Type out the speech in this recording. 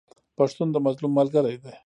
پښتون د مظلوم ملګری دی.